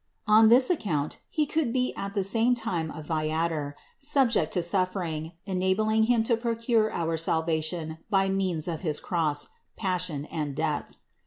On this account He could be at the same time a viator, subject to suffering, enabling Him to procure our salvation by means of his Cross, Passion and Death.